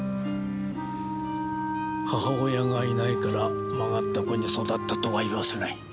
母親がいないから曲がった子に育ったとは言わせない。